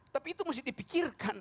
tapi itu mesti dipikirkan